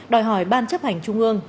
đòi hỏi ban chấp hành trung ương